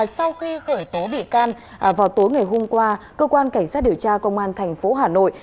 sau khi khởi tố bị can vào tối ngày hôm qua cơ quan cảnh sát điều tra công an thành phố hà nội